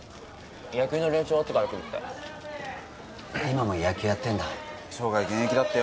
野球の練習終わってから来るって今も野球やってんだ生涯現役だってよ